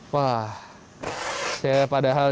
wah saya padahal